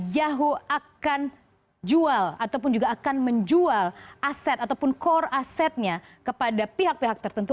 yahoo akan jual ataupun juga akan menjual aset ataupun core asetnya kepada pihak pihak tertentu